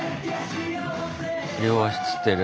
両足つってる。